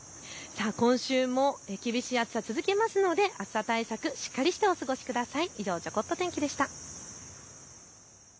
今週も厳しい暑さは続きますので暑さ対策、しっかりしてお過ごしください。